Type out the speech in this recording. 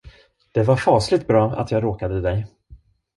Det var fasligt bra, att jag råkade dig.